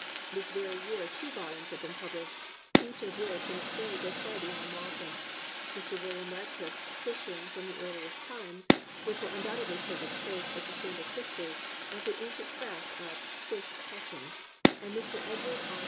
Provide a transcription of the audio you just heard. This very year two volumes have been published, each of which in its way goes far beyond Walton: Mr. WilKam Rad cliffe's Fishing from the Earliest Times, which will undoubtedly take its place as the standard history of the ancient craft of fish catching; and Mr. Edward R.